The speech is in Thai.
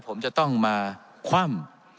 ผมจะต้องมาคว่ำ